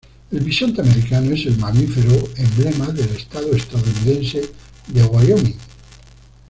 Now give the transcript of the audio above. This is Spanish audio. El bisonte americano es el mamífero emblema del estado estadounidense de Wyoming.